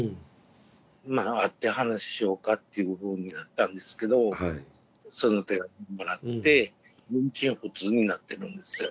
まあ会って話しようかっていうふうになったんですけどその手紙もらって音信不通になってるんですよ。